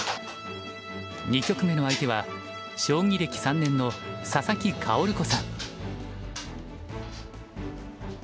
２局目の相手は将棋歴３年の佐々木薫子さん。